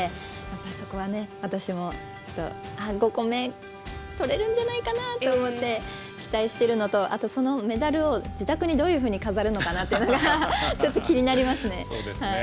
そこは私も５個目とれるんじゃないかなと思って期待しているのとあと、そのメダルを自宅にどういうふうに飾るのかなというのがちょっと気になりますね。